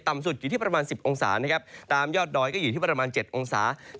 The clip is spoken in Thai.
ต่ำสุดอยู่ที่ประมาณ๑๐องศาเซลเซียตตามยอดดอยก็อยู่ที่ประมาณ๗องศาเซียต